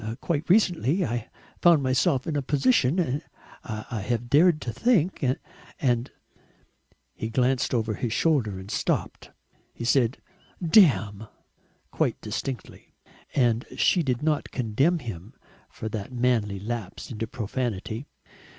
Quite recently I found myself in a position I have dared to think . And " He glanced over his shoulder and stopped. He said "Damn!" quite distinctly and she did not condemn him for that manly lapse into profanity.